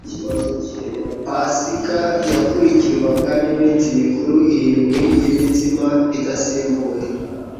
Pasika yakurikirwaga n'iminsi mikuru irindwi y'imitsima idasembuwe.